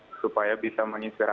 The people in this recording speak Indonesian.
untuk supaya bisa menginspirasi